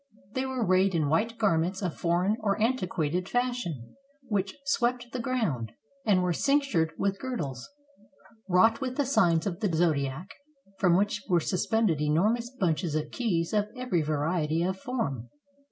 They were arrayed in white garments of foreign or antiquated fashion, which swept the ground, and were cinctured with girdles, wrought with the signs of the zodiac, from which were suspended enormous bunches of keys of even,' variet} of form.